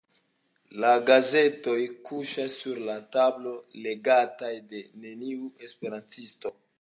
La gazetoj kuŝas sur la tablo, legataj de neniu esperantisto.